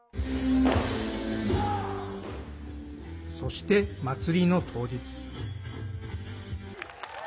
そして祭りの当日。